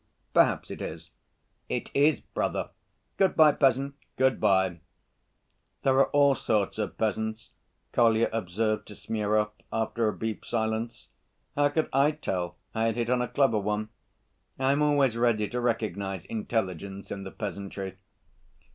"Perhaps it is." "It is, brother." "Good‐by, peasant!" "Good‐by!" "There are all sorts of peasants," Kolya observed to Smurov after a brief silence. "How could I tell I had hit on a clever one? I am always ready to recognize intelligence in the peasantry."